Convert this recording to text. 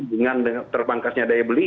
dengan terbangkasnya daya beli